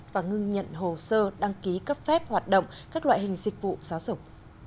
và ngưng nhận hồ sơ đăng ký cấp phép hoạt động các loại hình dịch vụ giáo dục